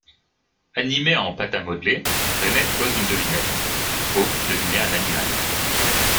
Animée en pâte à modeler, Reinette pose une devinette, il faut deviner un animal.